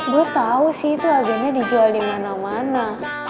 gue tau sih itu agennya dijual dimana mana